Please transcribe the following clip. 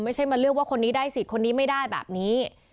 ไม่ใช่มาเลือกว่าคนนี้ได้สิทธิ์คนนี้ไม่ได้แบบนี้